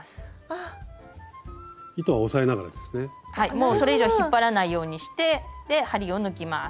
もうそれ以上は引っ張らないようにして針を抜きます。